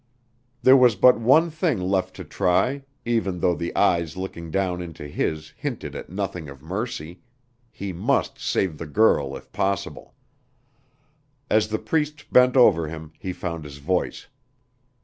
There was but one thing left to try, even though the eyes looking down into his hinted at nothing of mercy; he must save the girl if possible. As the Priest bent over him, he found his voice.